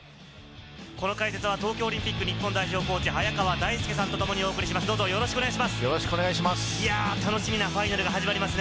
この解説は東京オリンピック日本代表コーチ・早川大輔さんとともにお送りします、よろしくお願いします。